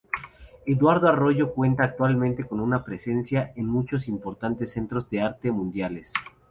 Eduardo Arroyo cuenta actualmente con presencia en muchos importantes centros de arte mundiales.